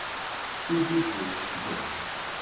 Tu es dévoué, fidèle…